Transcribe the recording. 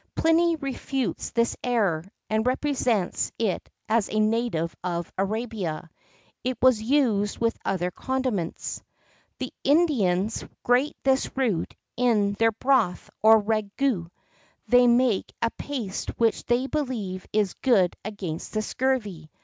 Pliny refutes this error, and represents it as a native of Arabia.[X 50] It was used with other condiments.[X 51] "The Indians grate this root in their broth or ragoût; they make a paste which they believe is good against the scurvy.